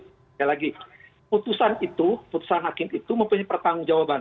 sekali lagi putusan itu putusan hakim itu mempunyai pertanggung jawaban